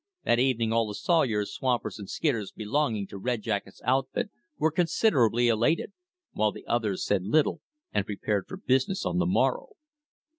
That evening all the sawyers, swampers, and skidders belonging to Red Jacket's outfit were considerably elated; while the others said little and prepared for business on the morrow.